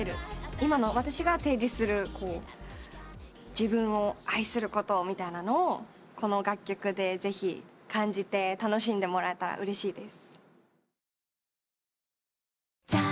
今の私が提示する「自分を愛することを」みたいなのをこの楽曲でぜひ感じて楽しんでもらえたらうれしいです。